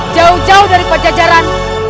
jauh jauh daripada jajaran